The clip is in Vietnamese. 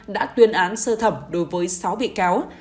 đã tuyên án sơ thẩm đối với sáu bị cáo